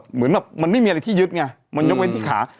เหมือนแบบมันไม่มีอะไรที่ยึดไงมันยกไว้ที่ขา